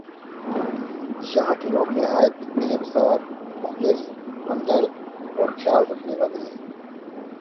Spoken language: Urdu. یہاں کے لوگ نہایت ملنسار ، مخلص ، ہمدرد اورخیال رکھنے والے ہیں ۔